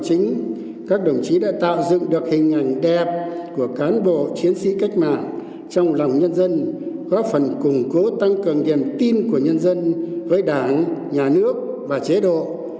chính đã tạo dựng được hình ảnh đẹp của cán bộ chiến sĩ cách mạng trong lòng nhân dân góp phần củng cố tăng cường điểm tin của nhân dân với đảng nhà nước và chế độ